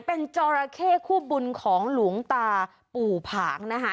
เป็นจอราเข้คู่บุญของหลวงตาปู่ผางนะคะ